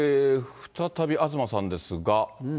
再び東さんですが。